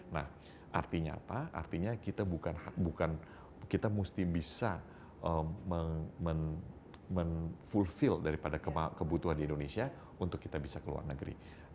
nah artinya apa artinya kita bukan kita mesti bisa men fullfield daripada kebutuhan di indonesia untuk kita bisa ke luar negeri